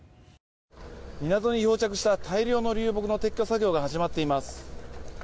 「港に漂着した大量の流木の撤去作業が行われています」